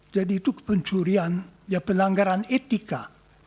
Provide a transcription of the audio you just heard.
jadi itu pencurian ya pelanggaran etika